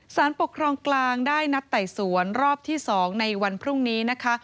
สารปกครองกลางได้นัดไต่สวนรอบที่๒ในวันพรุ่งนี้นะคะ